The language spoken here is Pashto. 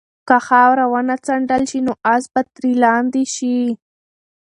که خاوره ونه څنډل شي نو آس به ترې لاندې شي.